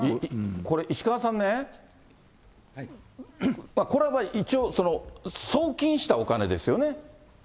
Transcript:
これ石川さんね、これはまあ、一応、送金したお金ですよね。